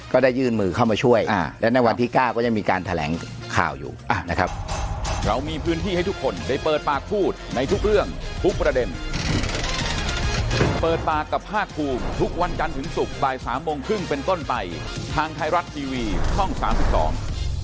ก็ได้ยืนมือเข้ามาช่วยอ่าแล้วในวันที่ก้าก็จะมีการแถลงข่าวอยู่อ่านะครับเรามีพื้นที่ให้ทุกคนได้เปิดปากพูดในทุกเรื่องทุกประเด็นเปิดปากกับภาคภูมิทุกวันจันทร์ถึงศุกร์บายสามโมงครึ่งเป็นต้นไปทางไทยรัฐทีวีช่องสามสิบสอง